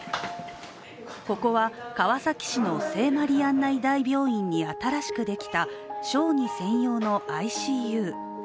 ここは、川崎市の聖マリアンナ医大病院に新しくできた小児専用のＩＣＵ。